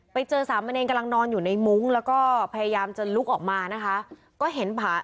ไปเจอสามเณรกำลังนอนอยู่ในมุ้งแล้วก็พยายามจะลุกออกมานะคะก็เห็นผา